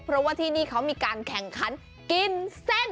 เพราะว่าที่นี่เขามีการแข่งขันกินเส้น